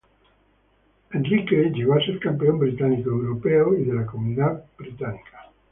Henry llegó a ser campeón británico, europeo y de la comunidad británica.